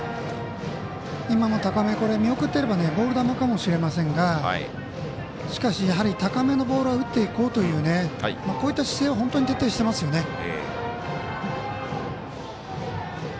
今も高め、見送ってればボール球かもしれませんがしかし、高めのボールは打っていこうというこういった姿勢は本当に徹底してますよね。